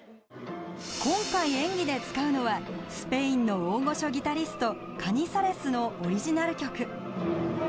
今回、演技で使うのはスペインの大御所ギタリストカニサレスのオリジナル曲。